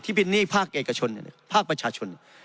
บินหนี้ภาคเอกชนภาคประชาชน